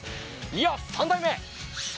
いよ、３代目！